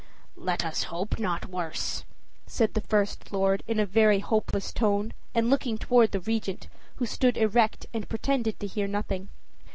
"Let us hope not worse," said the first lord in a very hopeless tone, and looking toward the Regent, who stood erect and pretended to hear nothing.